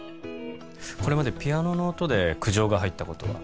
これまでピアノの音で苦情が入ったことは？